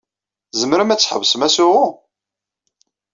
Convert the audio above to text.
Tzemrem ad tḥebsem asuɣu?